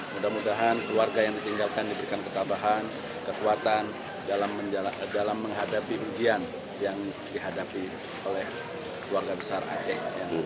mudah mudahan keluarga yang ditinggalkan diberikan ketabahan kekuatan dalam menghadapi ujian yang dihadapi oleh keluarga besar aceh